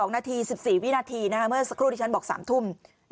๒นาที๑๔วินาทีเมื่อสักครู่ที่ฉันบอก๓ทุ่ม